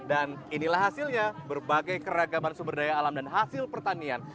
dan inilah hasilnya berbagai keragaman sumber daya alam dan hasil pertanian